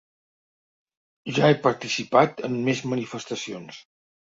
Ja he participat en més manifestacions.